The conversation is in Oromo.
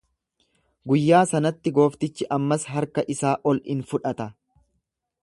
Guyyaa sanatti gooftichi ammas harka isaa ol in fudhata.